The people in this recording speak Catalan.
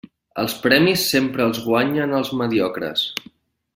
Els premis sempre els guanyen els mediocres.